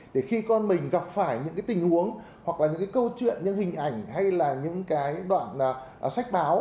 để khi con mình gặp phải những cái tình huống hoặc là những cái câu chuyện những hình ảnh hay là những cái đoạn sách báo